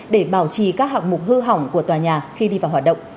để bảo trì các hạng mục hư hỏng của tòa nhà khi đi vào hoạt động